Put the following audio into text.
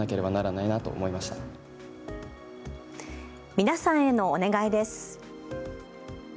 皆さんへのお願いです。